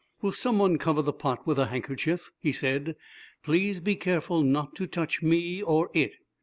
"Will some one cover the pot with a handkerchief?" he said. "Please be careful not to touch me or it.